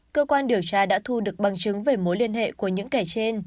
cơ quan điều tra đã thu được bằng chứng về mối liên hệ của những kẻ trên